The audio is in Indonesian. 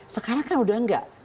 sekarang kan udah enggak